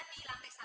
di lantai satu